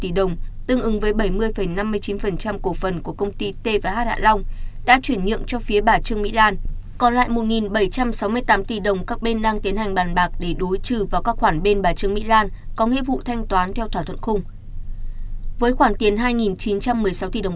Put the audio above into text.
với khoản tiền hai chín trăm một mươi sáu tỷ đồng còn lại trong tổng số sáu chín mươi năm tỷ đồng công ty t và h hạ long đã chuyển nhượng cho phía bà trương mỹ lan còn lại một bảy trăm sáu mươi tám tỷ đồng các bên đang tiến hành bàn bạc để đối trừ vào các khoản bên bà trương mỹ lan có nghĩa vụ thanh toán theo thỏa thuận khung